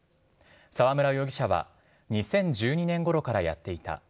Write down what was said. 沢村容疑者は、２０１２年ごろからやっていた。